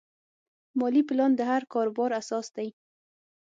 مالي پلان د هر کاروبار اساس دی.